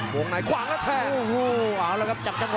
วงในวางแล้วแทน